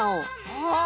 ああ。